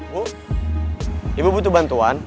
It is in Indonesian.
bu ibu butuh bantuan